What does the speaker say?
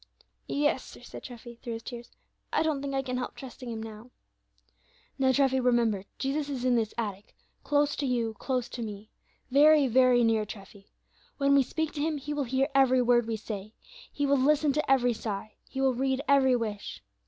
"Yes, sir," said Treffy, through his tears; "I don't think I can help trusting him now." "Now, Treffy, remember Jesus is in this attic, close to you, close to me, very, very near, Treffy. When we speak to Him, He will hear every word we say; He will listen to every sigh; He will read every wish.